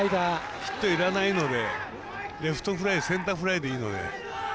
ヒットいらないのでレフトフライセンターフライでいいので。